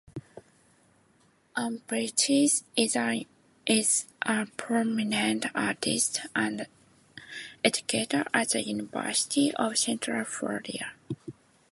Ann Beachy is a prominent artist and educator at the University of Central Florida.